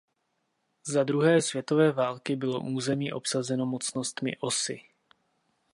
Za druhé světové války bylo území obsazeno mocnostmi Osy.